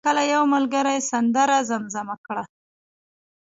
کله کله یو ملګری سندره زمزمه کړه.